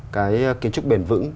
cái kiến trúc bền vững